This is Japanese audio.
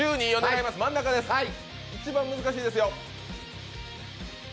真ん中、一番難しいですよ。